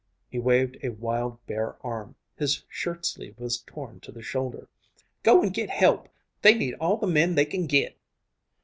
He waved a wild, bare arm his shirt sleeve was torn to the shoulder. "Go and git help. They need all the men they can git!"